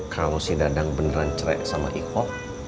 kalau si dadang beneran cerai sama iko